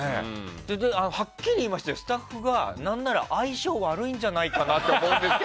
はっきり言いますとスタッフが何なら相性悪いんじゃないかと思ったと。